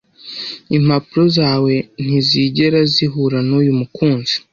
impapuro zawe ntizigera zihura nuyu mukunzi